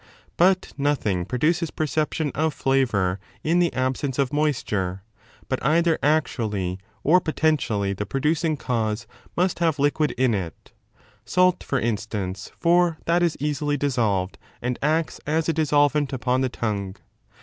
But nothing produces perception of flavour in the indispens absence of moisture, but either actually or potentially the ante: producing cause must have liquid in it: salt, for instance, for that is easily dissolved and acts as a dissolvent upon the tongue.